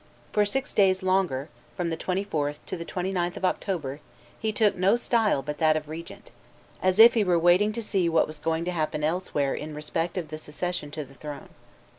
For six days longer, from the 24th to the 29th of October, he took no style but that of regent, as if he were waiting to see what was going to happen elsewhere in respect of the succession to the throne.